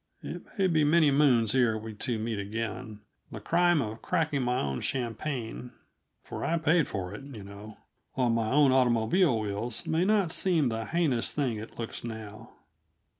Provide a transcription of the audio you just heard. It may be many moons ere we two meet again and when we do, the crime of cracking my own champagne for I paid for it, you know on my own automobile wheels may not seem the heinous thing it looks now.